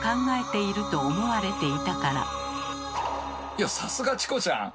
いやさすがチコちゃん！